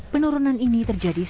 penurunan ini terjadi karena